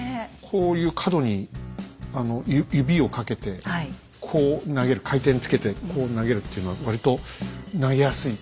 こういう角に指をかけてこう投げる回転つけてこう投げるっていうのは割と投げやすい。